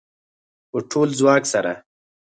په ټول ځواک سره